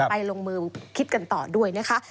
ลงมือคิดกันต่อด้วยนะคะ